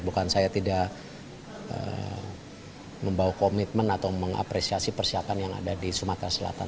bukan saya tidak membawa komitmen atau mengapresiasi persiapan yang ada di sumatera selatan